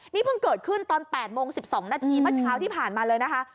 นี่เพิ่งเกิดขึ้นตอน๘โมง๑๒นาทีเมื่อเช้าที่ผ่านมาเลยนะคะ